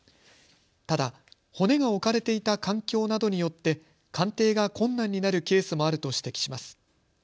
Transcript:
ただ骨が置かれていた環境などによって鑑定が困難になるケースもあると指摘します。